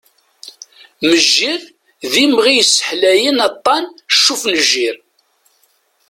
Mejjir d imɣi yesseḥlayen aṭan "Ccuf-mejjir".